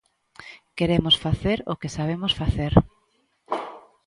Queremos facer o que sabemos facer.